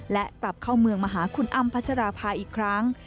และกลับเข้าเมืองมาหาคุณอ้ำพัชราภาอีกครั้ง